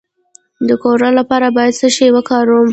د کولرا لپاره باید څه شی وکاروم؟